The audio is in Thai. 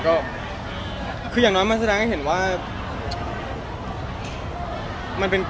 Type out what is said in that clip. ก็คืออย่างน้อยมันแสดงให้เห็นว่ามันเป็น